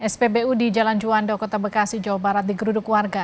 spbu di jalan juanda kota bekasi jawa barat digeruduk warga